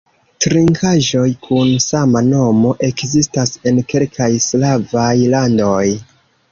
Trinkaĵoj kun sama nomo ekzistas en kelkaj slavaj landoj.